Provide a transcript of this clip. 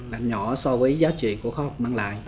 và nhỏ so với giá trị của khoa học mang lại